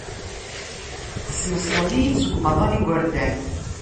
Teṣneṣlem-iyi-d seg umaḍal n yigerdan.